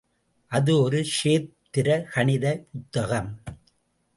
அது ஒரு ஷேத் திர கணித புத்தகம்.